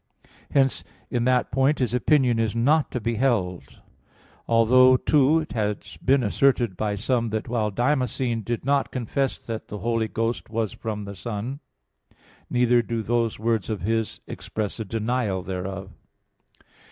Hence, in that point his opinion is not to be held. Although, too, it has been asserted by some that while Damascene did not confess that the Holy Ghost was from the Son, neither do those words of his express a denial thereof.